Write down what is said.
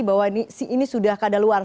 bahwa si ini sudah keadaan luar